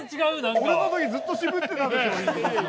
◆俺のときずっと渋ってたでしょう。